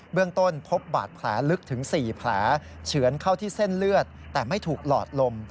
เรื่องต้นพบบาดแผลลึกถึง๔แผลเฉือนเข้าที่เส้นเลือดแต่ไม่ถูกหลอดลม